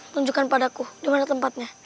tunjukkan padaku dimana tempatnya